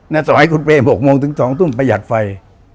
สมัยคุณเปย์๖โมงถึง๒ทุ่มประหยัดไฟ